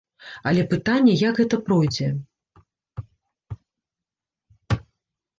Але пытанне, як гэта пройдзе.